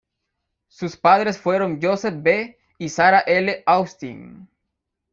Sus padres fueron Joseph B. y Sarah L. Austin.